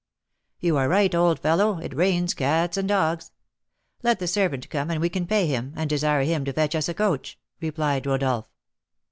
"You are right, old fellow; it rains cats and dogs. Let the servant come and we can pay him, and desire him to fetch us a coach," replied Rodolph.